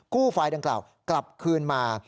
ไฟล์ดังกล่าวกลับคืนมา